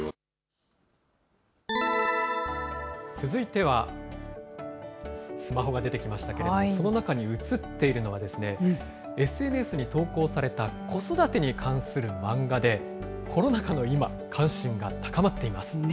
続いては、スマホが出てきましたけれども、その中に映っているのは、ＳＮＳに投稿された、子育てに関するマンガで、コロナ禍の今、関心が高まっています。